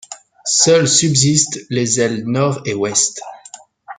Seules subsistent les ailes nord et ouest.